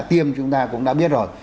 tiêm chúng ta cũng đã biết rồi